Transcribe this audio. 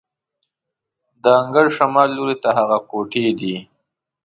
د انګړ شمال لوري ته هغه کوټې دي.